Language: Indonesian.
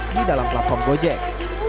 di dalam platform gojek